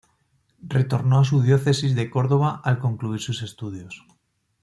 Retornó a su diócesis de Córdoba al concluir sus estudios.